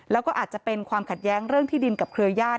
แล้วก็อาจจะเป็นความขัดแย้งเรื่องที่ดินกับเครือญาติ